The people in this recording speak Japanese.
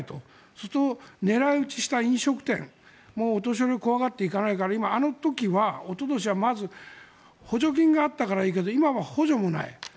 そうすると狙い撃ちした飲食店お年寄り、怖がって行かないからあの時は、おととしはまず、補助金があったからいいけど今は補助もない。